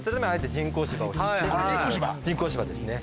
人工芝ですね。